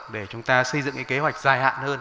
để chúng ta xây dựng cái kế hoạch dài hạn hơn